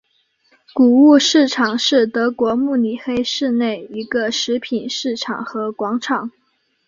谷物市场是德国慕尼黑市内一个食品市场和广场。